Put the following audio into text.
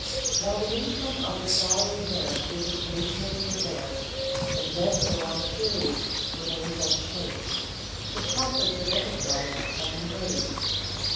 While the income of the salaried man is occasionally advanced, and then for long periods remains unchanged, the profits of enterprise come in waves.